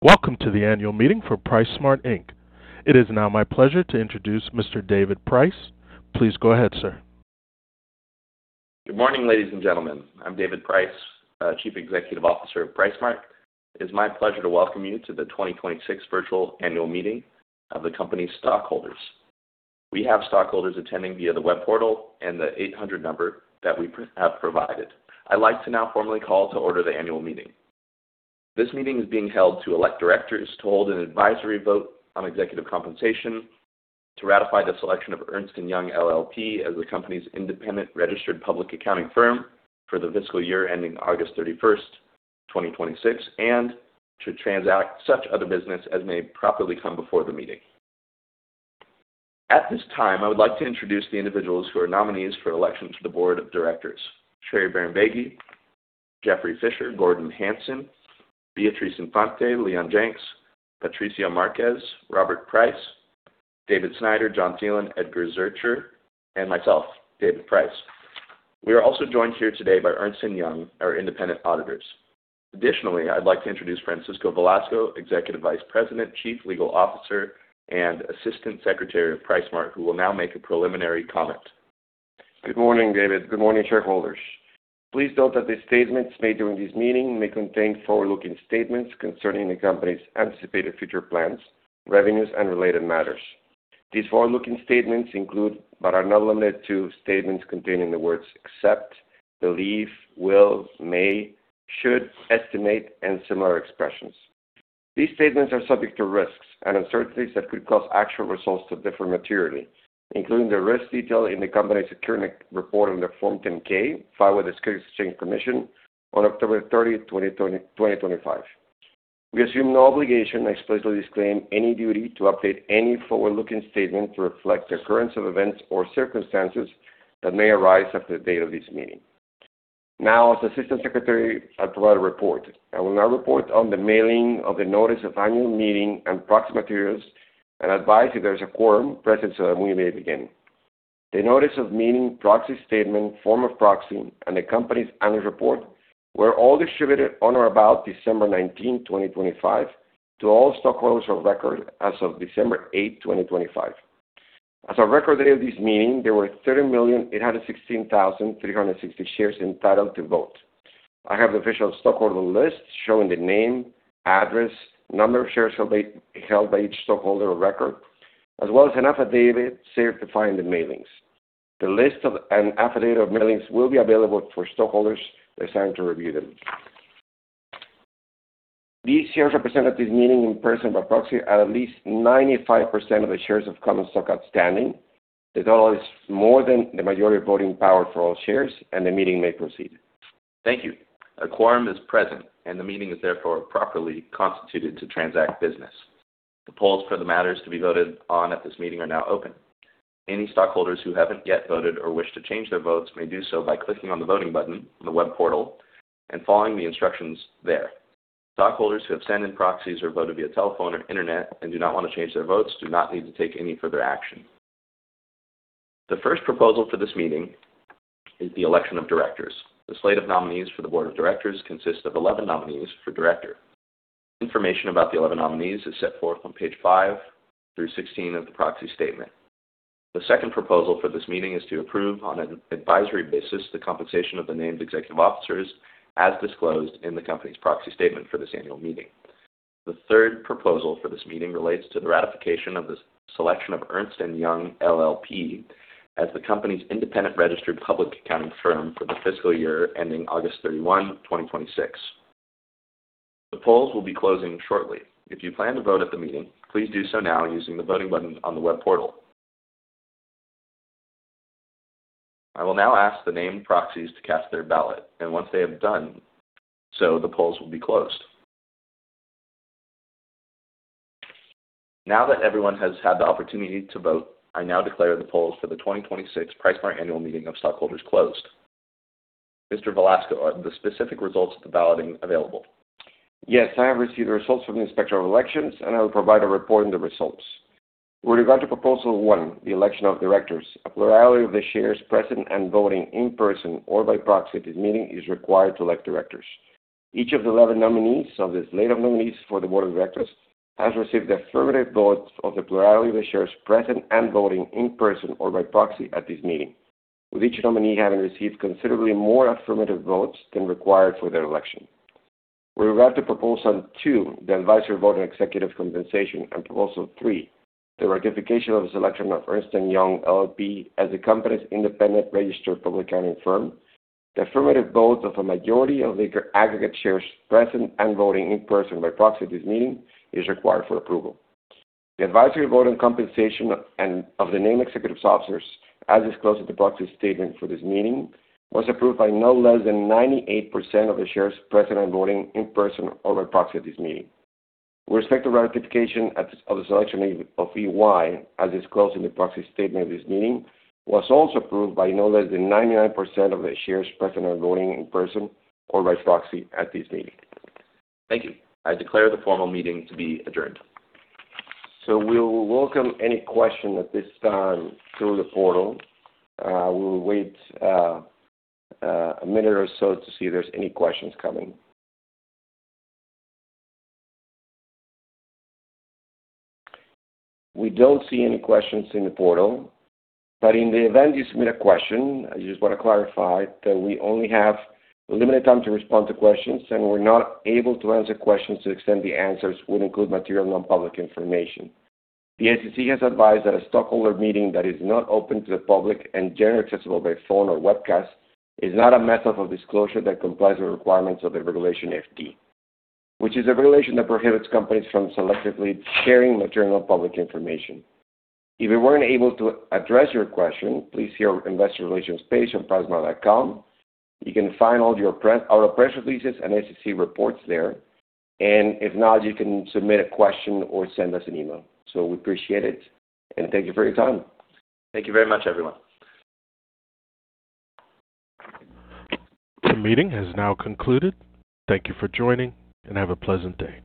Welcome to the annual meeting for PriceSmart, Inc. It is now my pleasure to introduce Mr. David Price. Please go ahead, sir. Good morning, ladies and gentlemen. I'm David Price, Chief Executive Officer of PriceSmart. It is my pleasure to welcome you to the 2026 virtual annual meeting of the company's stockholders. We have stockholders attending via the web portal and the 800 number that we have provided. I'd like to now formally call to order the annual meeting. This meeting is being held to elect directors, to hold an advisory vote on executive compensation, to ratify the selection of Ernst & Young, LLP, as the company's independent registered public accounting firm for the fiscal year ending August 31, 2026, and to transact such other business as may properly come before the meeting. At this time, I would like to introduce the individuals who are nominees for election to the board of directors. Sherry Bahrambeygui, Jeffrey Fisher, Gordon Hanson, Beatriz Infante, Leon Janks, Patricia Márquez, Robert Price, David Snyder, John Thelan, Edgar Zurcher, and myself, David Price. We are also joined here today by Ernst & Young, our independent auditors. Additionally, I'd like to introduce Francisco Velasco, Executive Vice President, Chief Legal Officer, and Assistant Secretary of PriceSmart, who will now make a preliminary comment. Good morning, David. Good morning, shareholders. Please note that the statements made during this meeting may contain forward-looking statements concerning the company's anticipated future plans, revenues, and related matters. These forward-looking statements include, but are not limited to, statements containing the words expect, believe, will, may, should, estimate, and similar expressions. These statements are subject to risks and uncertainties that could cause actual results to differ materially, including the risks detailed in the company's securities report on the Form 10-K, filed with the Securities and Exchange Commission on October 30, 2025. We assume no obligation and explicitly disclaim any duty to update any forward-looking statements to reflect the occurrence of events or circumstances that may arise after the date of this meeting. Now, as Assistant Secretary, I provide a report. I will now report on the mailing of the notice of annual meeting and proxy materials and advise if there's a quorum present so that we may begin. The notice of meeting, proxy statement, form of proxy, and the company's annual report were all distributed on or about December 19, 2025, to all stockholders of record as of December 8, 2025. As of record date of this meeting, there were 30,816,360 shares entitled to vote. I have the official stockholder list showing the name, address, number of shares held by, held by each stockholder of record, as well as an affidavit certified the mailings. The list and an affidavit of mailings will be available for stockholders desiring to review them. These shares represented this meeting in person by proxy at least 95% of the shares of common stock outstanding. The total is more than the majority voting power for all shares, and the meeting may proceed. Thank you. A quorum is present, and the meeting is therefore properly constituted to transact business. The polls for the matters to be voted on at this meeting are now open. Any stockholders who haven't yet voted or wish to change their votes may do so by clicking on the voting button on the web portal and following the instructions there. Stockholders who have sent in proxies or voted via telephone or internet and do not want to change their votes, do not need to take any further action. The first proposal for this meeting is the election of directors. The slate of nominees for the board of directors consists of 11 nominees for director. Information about the 11 nominees is set forth on page 5 through 16 of the proxy statement. The second proposal for this meeting is to approve, on an advisory basis, the compensation of the named executive officers as disclosed in the company's proxy statement for this annual meeting. The third proposal for this meeting relates to the ratification of the selection of Ernst & Young LLP as the company's independent registered public accounting firm for the fiscal year ending August 31, 2026. The polls will be closing shortly. If you plan to vote at the meeting, please do so now using the voting button on the web portal. I will now ask the named proxies to cast their ballot, and once they have done so, the polls will be closed. Now that everyone has had the opportunity to vote, I now declare the polls for the 2026 PriceSmart annual meeting of stockholders closed. Mr. Velasco, are the specific results of the balloting available? Yes, I have received the results from the Inspector of Elections, and I will provide a report on the results. With regard to Proposal 1, the election of directors, a plurality of the shares present and voting in person or by proxy at this meeting, is required to elect directors. Each of the 11 nominees of the slate of nominees for the board of directors has received the affirmative votes of the plurality of the shares present and voting in person or by proxy at this meeting, with each nominee having received considerably more affirmative votes than required for their election. With regard to proposal two, the advisory vote on executive compensation, and proposal three, the ratification of the selection of Ernst & Young LLP as the company's independent registered public accounting firm, the affirmative vote of a majority of the aggregate shares present and voting in person or by proxy at this meeting is required for approval. The advisory vote on compensation of the named executive officers, as disclosed in the proxy statement for this meeting, was approved by no less than 98% of the shares present and voting in person or by proxy at this meeting. With respect to ratification of the selection of EY, as disclosed in the proxy statement for this meeting, was also approved by no less than 99% of the shares present or voting in person or by proxy at this meeting. Thank you. I declare the formal meeting to be adjourned. So we'll welcome any question at this time through the portal. We will wait a minute or so to see if there's any questions coming. We don't see any questions in the portal, but in the event you submit a question, I just want to clarify that we only have limited time to respond to questions, and we're not able to answer questions to the extent the answers would include material non-public information. The SEC has advised that a stockholder meeting that is not open to the public and generally accessible by phone or webcast is not a method of disclosure that complies with requirements of the Regulation FD, which is a regulation that prohibits companies from selectively sharing material public information. If we weren't able to address your question, please see our investor relations page on pricemart.com. You can find all your press... our press releases and SEC reports there, and if not, you can submit a question or send us an email. So we appreciate it, and thank you for your time. Thank you very much, everyone. The meeting has now concluded. Thank you for joining, and have a pleasant day.